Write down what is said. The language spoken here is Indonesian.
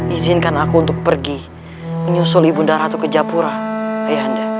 izinkan aku untuk pergi menyusul ibu nda ratu ke japura ayahanda